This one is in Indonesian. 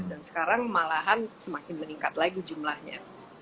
dan sekarang malahan semakin meningkat lagi jumlahnya